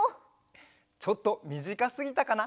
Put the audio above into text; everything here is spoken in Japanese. ちょっとみじかすぎたかな？